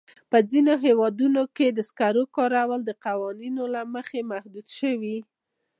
په ځینو هېوادونو کې د سکرو کارول د قوانینو له مخې محدود شوي.